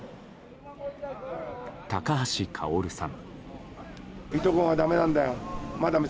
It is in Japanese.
高橋薫さん。